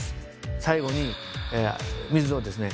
最後に水をですね